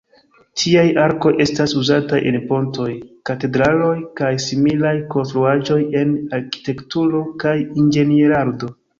Tiaj arkoj estas uzataj en pontoj, katedraloj kaj similaj konstruaĵoj en arkitekturo kaj inĝenierado.